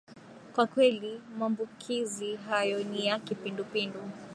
kwa kweli maambukizi hayo ni ya kipindupindu